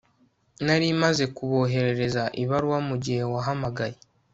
nari maze kuboherereza ibaruwa mugihe wahamagaye